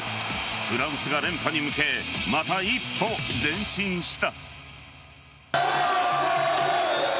フランスが連覇に向けまた一歩、前進した。